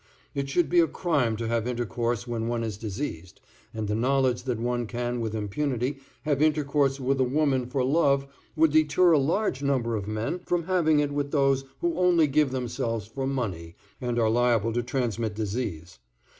It should be a crime to have intercourse when one is diseased, and the knowledge that one can with impunity have intercourse with a woman for love would deter a large number of men from having it with those who only give themselves for money and are liable to transmit disease.